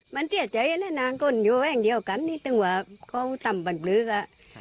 มันเสียใจแล้วนะคนอยู่แว่งเดียวกันนิดนึงว่าเขาทำบรรลึกอ่ะ